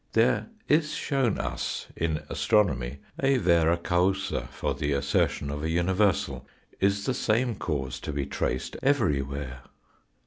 There is shown us in astronomy a vera causa for the assertion of a universal. Is the same cause to be traced everywhere?